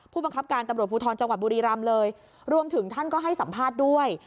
ผู้บังคับการตำรวจภูทรจังหวัดบุรีรำเลยรวมถึงท่านก็ให้สัมภาษณ์ด้วย